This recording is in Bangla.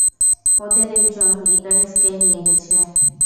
ওদের একজন ইকারিসকে নিয়ে গেছে।